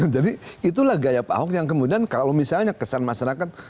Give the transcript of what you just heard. jadi itulah gaya pak ahok yang kemudian kalau misalnya kesan masyarakat